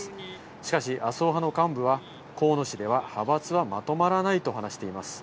しかし、麻生派の幹部は、河野氏では派閥はまとまらないと話しています。